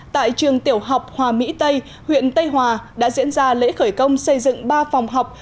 tại trường tiểu học hòa mỹ tây huyện tây hòa đã diễn ra lễ khởi công xây dựng ba phòng học